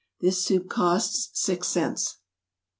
This soup costs six cents.